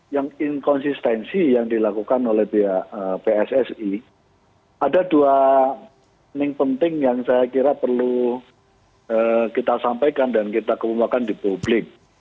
yang inkonsistensi yang dilakukan oleh pihak pssi ada dua yang penting yang saya kira perlu kita sampaikan dan kita kembangkan di publik